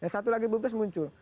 satu lagi belum tuntas muncul